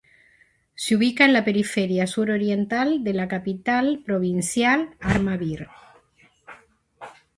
Se ubica en la periferia suroriental de la capital provincial Armavir.